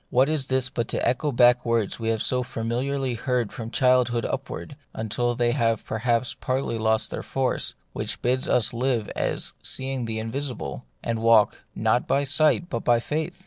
What is this but to echo back the words we have so familiarly heard from childhood up ward, till they have perhaps partly lost their force, which bid us live as seeing the invisible, and walk, not by sight but by faith